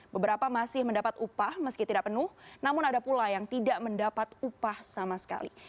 beberapa masih mendapat upah meski tidak penuh namun ada pula yang tidak mendapat upah sama sekali